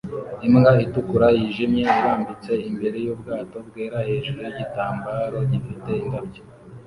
Imbwa itukura-yijimye irambitse imbere yubwato bwera hejuru yigitambaro gifite indabyo